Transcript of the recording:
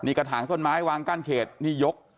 กระถางต้นไม้วางกั้นเขตนี่ยก